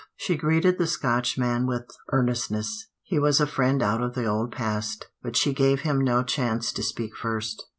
She greeted the Scotchman with earnestness; he was a friend out of the old past, but she gave him no chance to speak first.